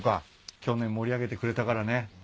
去年盛り上げてくれたからね。